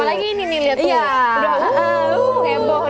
apalagi ini nih lihat tuh